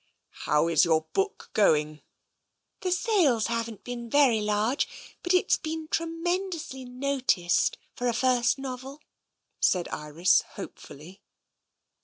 " How is your book going? "" The sales haven't been very large, but it's been tremendously noticed, for a first novel," said Iris hope fully.